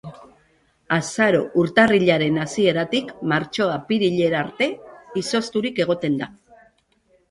Azaro-urtarrilaren hasieratik martxo-apirilera arte izozturik egoten da.